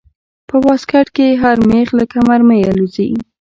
په واسکټ کښې هر مېخ لکه مرمۍ الوزي.